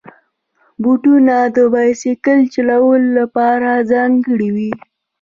بوټونه د بایسکل چلولو لپاره ځانګړي وي.